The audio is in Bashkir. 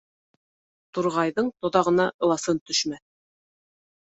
Турғайҙың тоҙағына ыласын төшмәҫ.